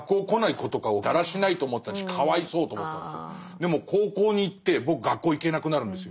でも高校に行って僕学校行けなくなるんですよ。